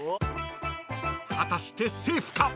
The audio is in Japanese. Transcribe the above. ［果たしてセーフか？